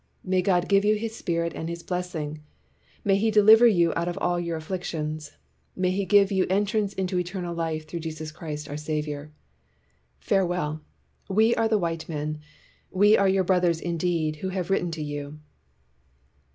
May God give you his Spirit and his bless ing ! May he deliver you out of all your af flictions! May he give you entrance to eternal life through Jesus Christ our Sav iour ! "Farewell. We are the white men; we are your brothers indeed who have written to you."